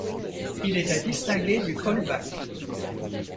Il est à distinguer du colback.